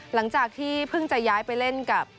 หลังจากที่เพิ่งจะย้ายไปเล่นกับ